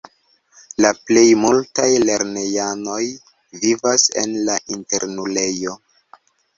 La plej multaj lernejanoj vivas en la internulejo.